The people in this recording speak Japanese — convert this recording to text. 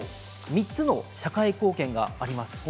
３つの社会貢献があります。